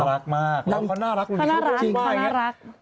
น่ารักมากแล้วเขาน่ารักอยู่ในช่วงป้าจริงว่าอย่างนี้